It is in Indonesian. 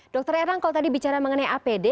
dr errang kalau tadi bicara mengenai apd